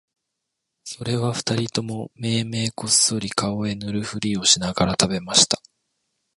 それは二人ともめいめいこっそり顔へ塗るふりをしながら喰べました